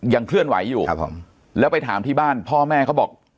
เคลื่อนไหวอยู่ครับผมแล้วไปถามที่บ้านพ่อแม่เขาบอก